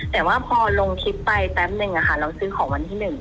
แต่ว่าพอลงคลิปไปแป๊บนึงเราซื้อของวันที่๑